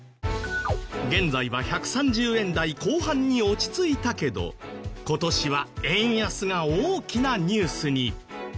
現在は１３０円台後半に落ち着いたけど今年は円安が大きなニュースに。